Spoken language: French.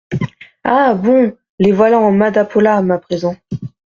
Ah ! bon ! les voilà en madapolam, à présent.